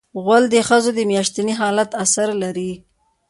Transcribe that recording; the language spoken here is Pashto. غول د ښځو د میاشتني حالت اثر لري.